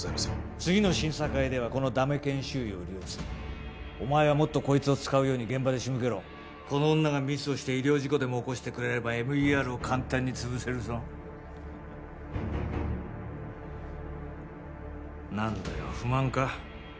次の審査会ではこのダメ研修医を利用するお前はもっとこいつを使うように現場で仕向けろこの女がミスをして医療事故でも起こしてくれればＭＥＲを簡単につぶせるぞ何だよ不満か？